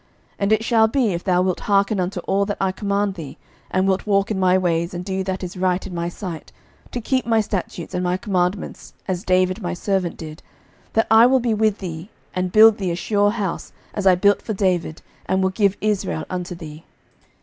11:011:038 And it shall be, if thou wilt hearken unto all that I command thee, and wilt walk in my ways, and do that is right in my sight, to keep my statutes and my commandments, as David my servant did; that I will be with thee, and build thee a sure house, as I built for David, and will give Israel unto thee.